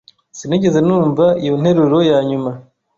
Sinigeze numva iyo nteruro yanyuma.